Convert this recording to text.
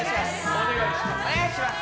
お願いします。